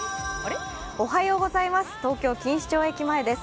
東京・錦糸町駅前です。